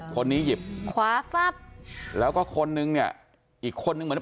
คนนี้หยิบขวาฟับแล้วก็คนนึงเนี่ยอีกคนนึงเหมือน